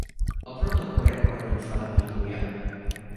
A Protocol Recordings alapítója.